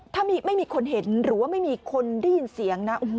ถ้าไม่มีคนเห็นหรือว่าไม่มีคนได้ยินเสียงนะ